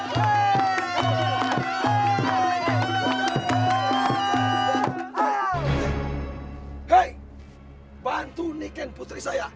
hei bantu iken putri saya